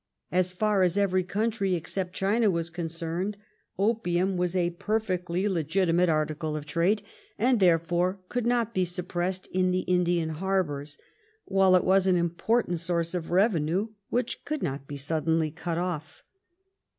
As far as every country except China was concerned, opium was a perfectly legitimate ABERDEEN AT THE FOREIGN OFFICE. 86 firticle of tradei and therefore could not be rapprestfed in the Indian harbours; while it was an impoflant source of revenue which could not be suddenly «ut off.